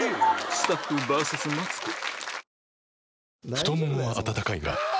太ももは温かいがあ！